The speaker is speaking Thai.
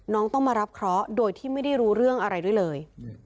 น้องต้องมารับเคราะห์โดยที่ไม่ได้รู้เรื่องอะไรด้วยเลย